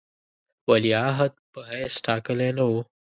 ولیعهد په حیث ټاکلی نه وو.